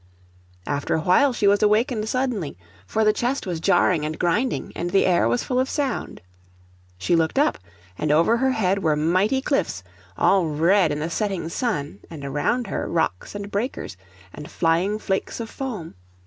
After a while she was awakened suddenly; for the chest was jarring and grinding, and the air was full of sound. She looked up, and over her head were mighty cliffs, all red in the setting sun, and around her rocks and breakers, and flying flakes of foam.